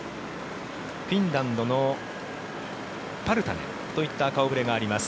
フィンランドのパルタネンといった顔触れがあります。